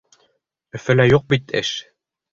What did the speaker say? Өфөлә юҡ бит эш!